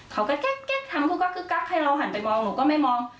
เขาก็แก๊กทำให้เราหันไปมองหนูก็ไม่มอง